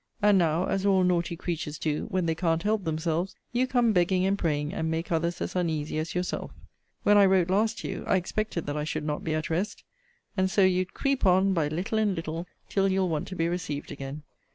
And now, as all naughty creatures do, when they can't help themselves, you come begging and praying, and make others as uneasy as yourself. When I wrote last to you, I expected that I should not be at rest. And so you'd creep on, by little and little, till you'll want to be received again.